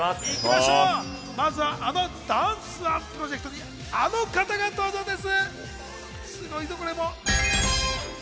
まずはあのダンスＯＮＥプロジェクトにあの方が登場です。